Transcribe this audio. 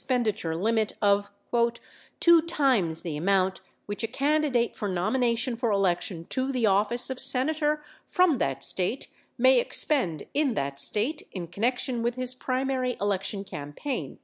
570 ture limit of "two times the amount which a candidate for nomination for election to the office of Senator from that State may expend in that State in connection with his primary election campaign."